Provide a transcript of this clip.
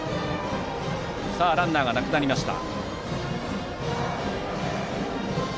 ランナーがなくなりました。